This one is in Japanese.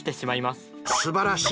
すばらしい！